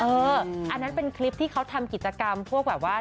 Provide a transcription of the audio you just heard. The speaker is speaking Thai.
อันนั้นเป็นคลิปที่เขาทำกิจกรรมพวกแบบว่า